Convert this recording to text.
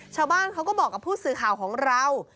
ชาวบ้านเขาก็บอกกับผู้สื่อข่าวของเรา